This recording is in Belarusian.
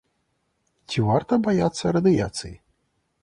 Ці варта баяцца радыяцыі?